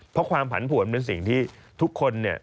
เพราะความผันผวนเป็นสิ่งที่ทุกคนเนี่ย